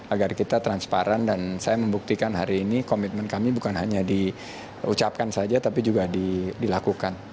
agar kita transparan dan saya membuktikan hari ini komitmen kami bukan hanya diucapkan saja tapi juga dilakukan